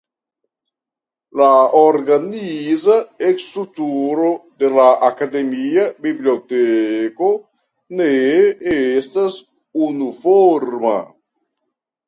La organiza strukturo de la akademia biblioteko ne estas unuforma.